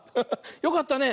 よかったね。